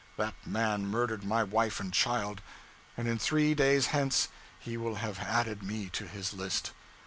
That man murdered my wife and my child; and in three days hence he will have added me to his list.